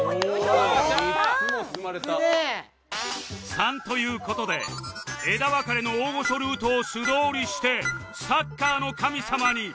「３」という事で枝分かれの大御所ルートを素通りして「サッカーの神様」に